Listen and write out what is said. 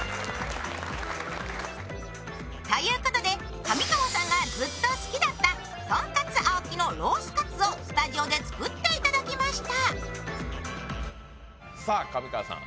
ということで、上川さんがずっと好きだったとんかつ檍さんのロースかつをスタジオで作っていただきました。